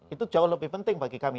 itu jauh lebih penting bagi kami